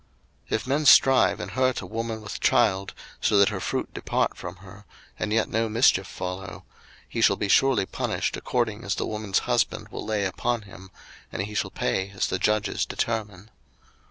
02:021:022 If men strive, and hurt a woman with child, so that her fruit depart from her, and yet no mischief follow: he shall be surely punished, according as the woman's husband will lay upon him; and he shall pay as the judges determine.